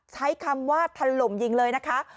ใช้คำว่าถล่มยิงเลยนะคะ